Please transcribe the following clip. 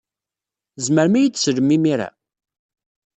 Tzemrem ad iyi-d-teslem imir-a?